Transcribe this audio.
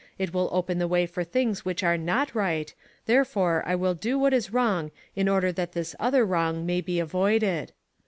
It will open the way for things which are not right, therefore I will do what is wrong in order that this other wrong may be avoided.'